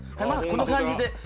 まぁこの感じで。